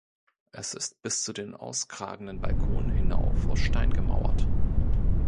Es ist bis zu den auskragenden Balkonen hinauf aus Stein gemauert.